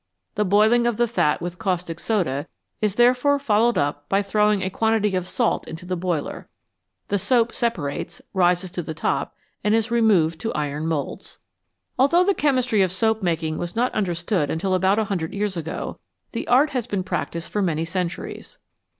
The boiling of the fat with caustic soda is therefore followed up by throwing a quantity of salt into the boiler; the soap separates, rises to the top, and is removed to iron moulds. Although the chemistry of soap making was not understood until about a hundred years ago, the art has been practised for many centuries.